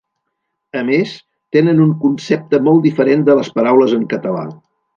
A més, tenen un concepte molt diferent de les paraules en català.